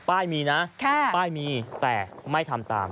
ไม่มีนะป้ายมีแต่ไม่ทำตาม